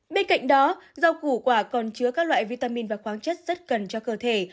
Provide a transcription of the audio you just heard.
bên cạnh đó rau củ quả còn chứa các loại vitamin và khoáng chất rất cần cho cơ thể